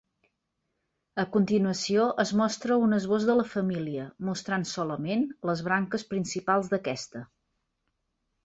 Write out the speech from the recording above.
A continuació es mostra un esbós de la família, mostrant solament les branques principals d'aquesta.